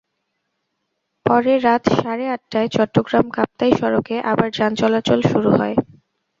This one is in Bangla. পরে রাত সাড়ে আটটায় চট্টগ্রাম কাপ্তাই সড়কে আবার যান চলাচল শুরু হয়।